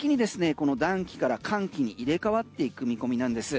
この暖気から寒気に入れ替わっていく見込みです。